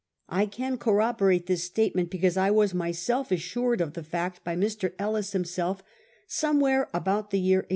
I can corroborate this state ment, because I was myself assured of the fact by Mr. Ellis himself somewhere about the year 1865.